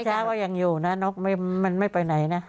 เทศบาลยังอยู่นะมันไม่ไปไหนนะ